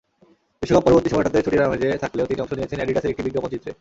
বিশ্বকাপ-পরবর্তী সময়টাতে ছুটির আমেজে থাকলেও তিনি অংশ নিয়েছেন অ্যাডিডাসের একটি বিজ্ঞাপনচিত্রে।